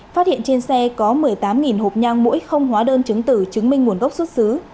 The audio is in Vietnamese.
phát hiện trên xe có một mươi tám hộp nhang mũi không hóa đơn chứng tử chứng minh nguồn gốc xuất xứ